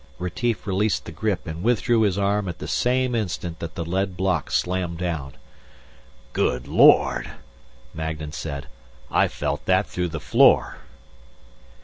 Retief released the grip and withdrew his arm at the same instant that the lead block slammed down. "Good lord," Magnan said. "I felt that through the floor."